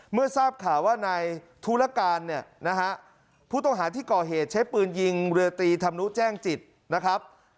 เมื่อทราบข่าวว่าในธุรการเนี่ยนะฮะผู้ต้องหาที่ก่อเหตุใช้ปืนยิงเรือตีธรรมนุแจ้งจิตนะครับ